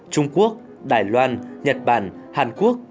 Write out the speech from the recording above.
trung quốc đài loan nhật bản hàn quốc